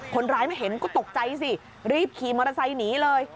คนร้ายมาเห็นก็ตกใจสิรีบขี่มอเตอร์ไซค์หนีเลย